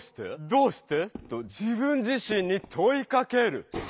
「どうして？」と自分自しんにといかける！